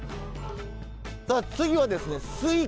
さあ次はですねすいか。